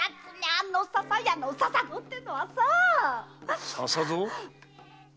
あの笹屋の「笹蔵」ってのはさァ‼「笹蔵」？